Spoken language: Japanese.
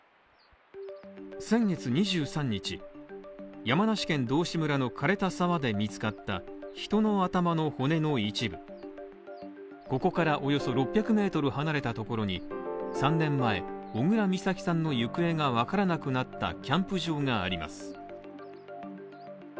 先月２３日、山梨県道志村のかれた沢で見つかった人の頭の骨の一部ここからおよそ６００ｍ離れたところに、３年前、小倉美咲さんの行方がわからなくなったキャンプ場があります。